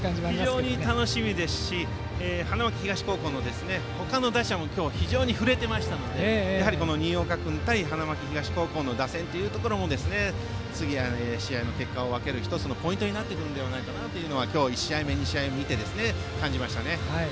非常に楽しみですし花巻東高校の他の打者も今日は非常に振れていましたので新岡君と花巻東打線の打線というところも次の試合の結果を分ける１つのポイントになっているんじゃないかなと今日１試合目、２試合目を見て感じましたね。